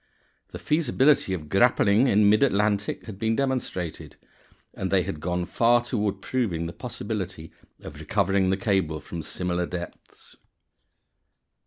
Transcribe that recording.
The feasibility of grappling in mid Atlantic had been demonstrated, and they had gone far toward proving the possibility of recovering the cable from similar depths.